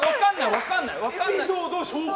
分かんない。